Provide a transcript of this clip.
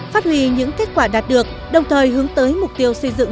phát huy những kết quả đạt được đồng thời hướng tới mục tiêu xây dựng